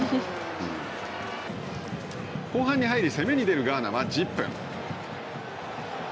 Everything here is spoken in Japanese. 後半に入り攻めに出るガーナは１０分。